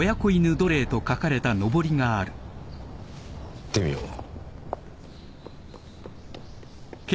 行ってみよう。